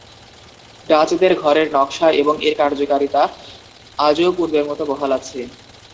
ডাচদের ঘরের নকশা এবং এর কার্যকারিতা আজও পূর্বের মত বহাল আছে।